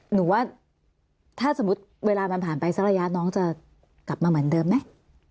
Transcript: หนูว่าถ้าสมมุติเวลามันผ่านไปสักระยะน้องจะกลับมาเหมือนเดิมไหม